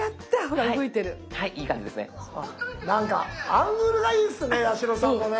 アングルがいいっすね八代さんのね。